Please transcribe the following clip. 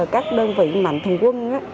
các đơn vị mạnh thường quân